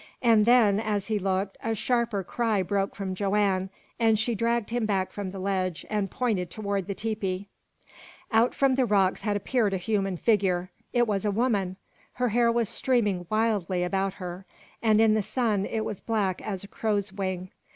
And then, as he looked, a sharper cry broke from Joanne, and she dragged him back from the ledge, and pointed toward the tepee. Out from among the rocks had appeared a human figure. It was a woman. Her hair was streaming wildly about her, and in the sun it was black as a crow's wing.